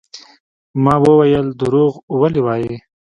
ما وويل دروغ ولې وايې.